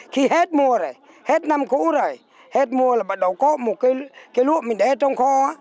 khi hết mùa rồi hết năm cũ rồi hết mùa là bắt đầu có một cái lúa mình để trong kho